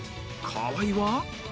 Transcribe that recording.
河合は？